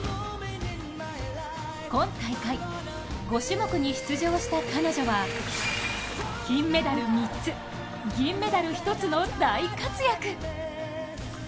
今大会、５種目に出場した彼女は金メダル３つ銀メダル１つの大活躍。